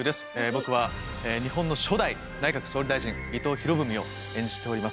僕は日本の初代内閣総理大臣伊藤博文を演じております。